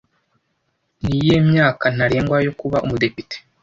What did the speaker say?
Niyihe myaka ntarengwa yo kuba umudepite